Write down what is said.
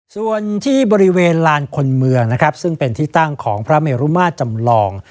ส่วนที่บริเวณลานคนเมืองนะครับซึ่งเป็นที่ตั้งของพระเมรุมาตรจำลอง